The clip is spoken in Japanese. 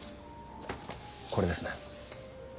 これですね。